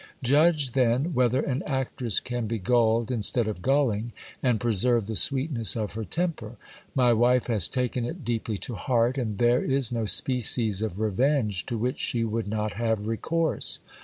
Judge then, whether an actress can be gulled instead of gulling, and preserve the sweetness of her temper. My wife has taken it deeply to heart, and there is no species of revenge to which she would not have recourse.